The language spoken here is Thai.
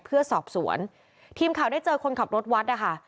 เพื่อสอบสวนทีมข่าวได้เจอคนขับรถวัดนะคะ